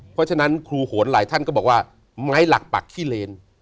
เพราะฉะนั้นครูโหนหลายท่านก็บอกว่าไม้หลักปักขี้เลน